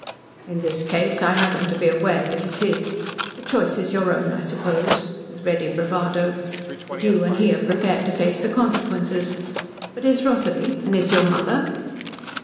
"In this case I happen to be aware that it is. The choice is your own, I suppose," with ready bravado, "that you and he are prepared to face the consequences. But is Rosalie, and is your mother?"